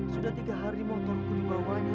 sudah tiga hari motorku dibawanya